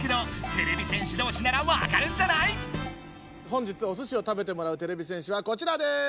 本日おすしを食べてもらうてれび戦士はこちらです！